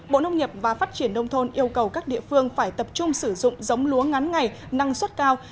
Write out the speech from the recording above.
bộ nông nghiệp và phát triển nông thôn yêu cầu các địa phương phải tập trung sử dụng giống lúa ngắn ngày năng suất cao